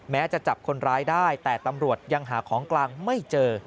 แม้จะจับคนร้ายได้แต่ตำรวจยังหาของกลางไม่เจอ